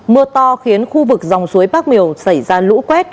mưa to khiến khu vực dòng suối bác miều xảy ra lũ quét